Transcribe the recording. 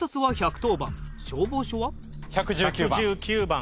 １１９番。